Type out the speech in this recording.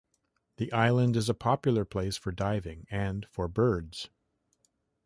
The island is a popular place for diving and for birds.